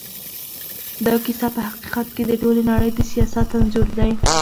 دا کيسه په حقیقت کې د ټولې نړۍ د سياست انځور دی.